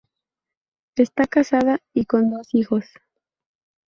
Está casada y con dos hijos.